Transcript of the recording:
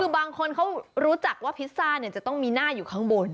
คือบางคนเขารู้จักว่าพิซซ่าจะต้องมีหน้าอยู่ข้างบน